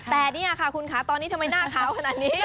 แต่นี่ค่ะคุณค่ะตอนนี้ทำไมหน้าขาวขนาดนี้